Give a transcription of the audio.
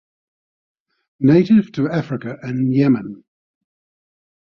Native to Africa and Yemen.